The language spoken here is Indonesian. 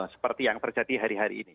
seperti yang terjadi hari hari ini